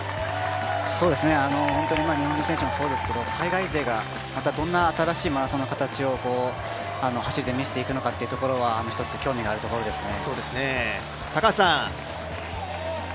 今、日本の選手もそうですけども、海外勢がどんな新しいマラソンの形を見せていくかっていうところは一つ、興味があるところですね。